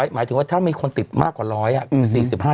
หมายถึงว่าถ้ามีคนติดมากกว่า๑๐๐